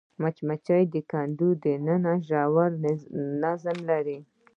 مچمچۍ د کندو دننه ژور نظم لري